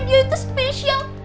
dia itu spesial